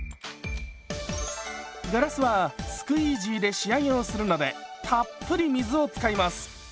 ガラスはスクイージーで仕上げをするのでたっぷり水を使います。